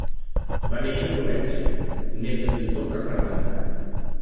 Va néixer a Florència, nét de pintor per part de mare.